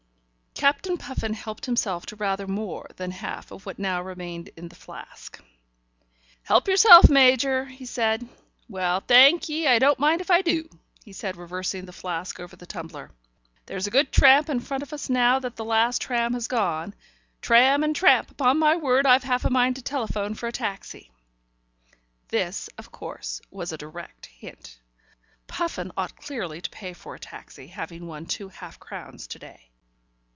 Captain Puffin helped himself to rather more than half of what now remained in the flask. "Help yourself, Major," he said. "Well, thank ye, I don't mind if I do," he said, reversing the flask over the tumbler. "There's a good tramp in front of us now that the last tram has gone. Tram and tramp! Upon my word, I've half a mind to telephone for a taxi." This, of course, was a direct hint. Puffin ought clearly to pay for a taxi, having won two half crowns to day.